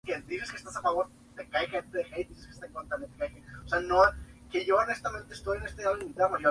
Los principales depredadores son los leones, aves de presa y serpientes.